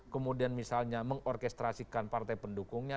kemudian misalnya mengorkestrasikan partai pendukungnya